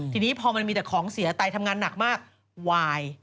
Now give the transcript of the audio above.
ทีนี้พอมันมีแต่ของเสียไตทำงานหนักมากวาย